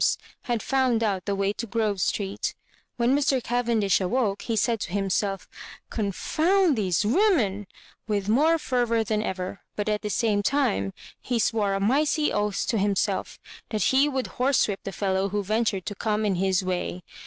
e, had found out the way to Grove Street When Mr. Cavendish awoke, he said to himself " Confound these women !" with more fervour than ever; but, at the same time, he swore a mighty oath to himself that he would horsewhip \^. the fellow who ventured to come in his way.